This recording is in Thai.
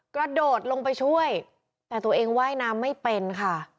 กระโดดลงไปช่วยแต่ตัวเองว่ายน้ำไม่เป็นค่ะ